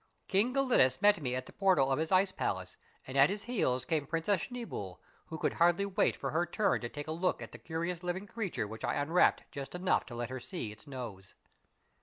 King Gelidus met me at the portal of his ice palace, and at his heels came Princess Schneeboule, who could hardly wait for her turn to take a look at the curious living creature which I unwrapped just enough to let her see its nose.